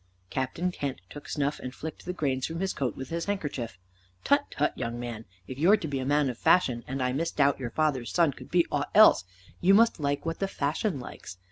Captain Kent took snuff and flicked the grains from his coat with his handkerchief. "Tut, tut, young man, if you're to be a man of fashion, and I misdoubt your father's son could be ought else, you must like what the fashion likes.